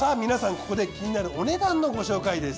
ここで気になるお値段のご紹介です。